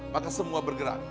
maka semua bergerak